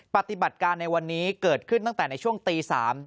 ปฏิบัติการในวันนี้เกิดขึ้นตั้งแต่ในช่วงตี๓